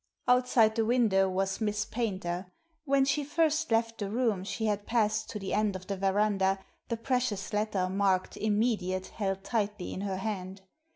Outside the window was Miss Paynter. When she first left the room she had passed to the end of the verandah, the precious letter, marked "Immediate," held tightly in her hand.